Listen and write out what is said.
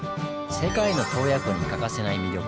「世界の洞爺湖」に欠かせない魅力